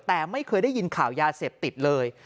แต่ไม่เคยได้ยินข่าวยาเสพติดเลย